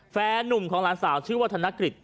แฟนนุ่มของหลานสาวชื่อว่าธนกฤษ